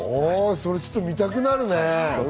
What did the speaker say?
それちょっと見たくなるね。